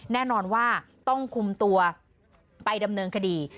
แน่นอนว่าต้องคุมตัวไปดำเนินคดี